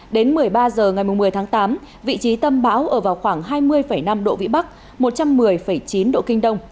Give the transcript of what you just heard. đến một mươi ba h ngày một mươi tháng tám vị trí tâm bão ở vào khoảng hai mươi năm độ vĩ bắc một trăm một mươi chín độ kinh đông